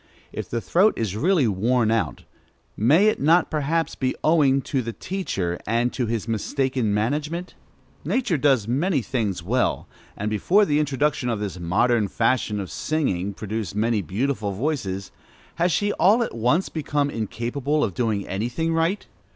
If the throat is really worn out, may it not perhaps be owing to the teacher, and to his mistaken management? Nature does many things well, and before the introduction of this modern fashion of singing produced many beautiful voices: has she all at once become incapable of doing any thing right?